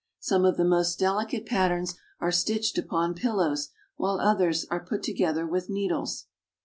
Some of the most deli cate patterns are stitched upon pillows, while others are put together with needles.